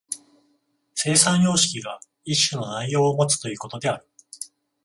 生産様式が一種の内容をもつということである。